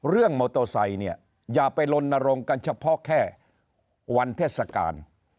เรื่องมอเตอร์ไซค์เนี่ยอย่าไปลนรงค์กันเฉพาะแค่วันเทศกาล